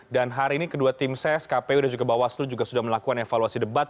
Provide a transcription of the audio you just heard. dan hari ini kedua tim ses kpu dan juga bawaslu juga sudah melakukan evaluasi debat